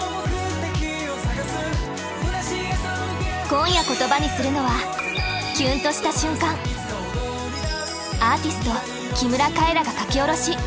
今夜言葉にするのはアーティスト木村カエラが書き下ろし。